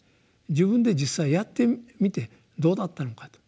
自分で実際やってみてどうだったのかと。